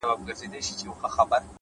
هڅه د خوبونو ژباړه ده؛